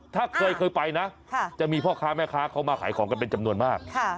ถ้าเคยไปนะจะมีพ่อค้าแม่ค้าเขามาขายของกันเป็นจำนวนมาก